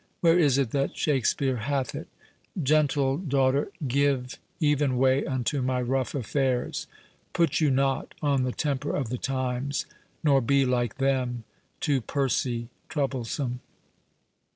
Where is it that Shakspeare hath it:— 'Gentle daughter, Give even way unto my rough affairs: Put you not on the temper of the times, Nor be, like them, to Percy troublesome.